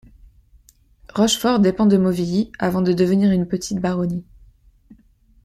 Rochefort dépend de Mauvilly avant de devenir une petite baronnie.